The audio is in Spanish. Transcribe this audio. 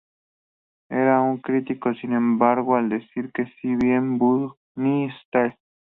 Él era crítico, sin embargo, al decir que si bien "Bunny Style!